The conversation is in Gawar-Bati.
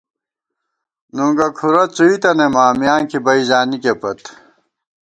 نُنگُہ کُھرَہ څُوئ تنَئیم آں، میانکی بئ زانِکے پت